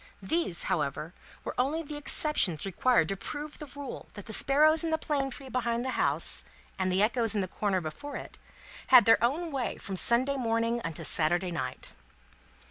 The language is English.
These, however, were only the exceptions required to prove the rule that the sparrows in the plane tree behind the house, and the echoes in the corner before it, had their own way from Sunday morning unto Saturday night.